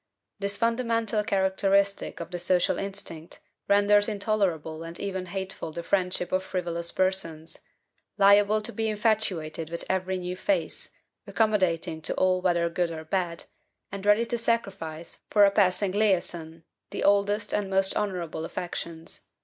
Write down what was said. This fundamental characteristic of the social instinct renders intolerable and even hateful the friendship of frivolous persons, liable to be infatuated with every new face, accommodating to all whether good or bad, and ready to sacrifice, for a passing liaison, the oldest and most honorable affections.